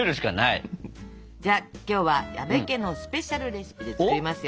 じゃあ今日は矢部家のスペシャルレシピで作りますよ。